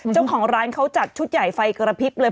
เจ้าของร้านเขาจัดชุดใหญ่ไฟกระพริบเลย